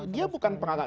dia bukan pengalahan